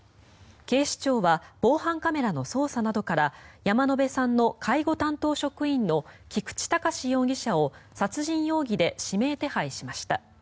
警視庁は防犯カメラの捜査などから山野辺さんの介護担当職員の菊池隆容疑者を殺人容疑で指名手配しました。